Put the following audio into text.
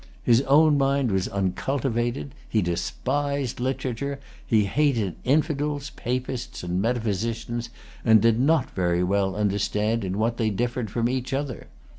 His own mind was uncultivated. He despised literature. He hated infidels, papists, and metaphysicians, and did not very well understand in what they differed from each other.